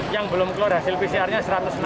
yang belum keluar hasil pcr nya satu ratus enam puluh